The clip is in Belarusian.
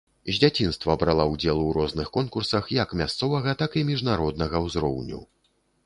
З дзяцінства брала ўдзел у розных конкурсах як мясцовага, так і міжнароднага ўзроўню.